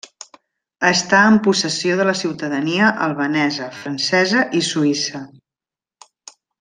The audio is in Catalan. Està en possessió de la ciutadania albanesa, francesa i suïssa.